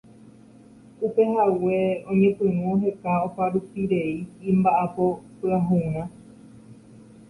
Upehague oñepyrũ oheka oparupirei imba'apo pyahurã.